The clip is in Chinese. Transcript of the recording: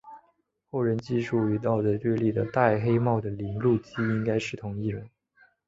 后人记述与盗贼对立的戴黑帽的铃鹿姬应该是同一人。